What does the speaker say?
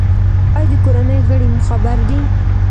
ایا د کورنۍ غړي مو خبر دي؟